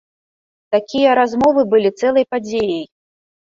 Такія размовы былі цэлай падзеяй.